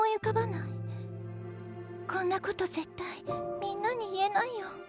こんなこと絶対みんなに言えないよ。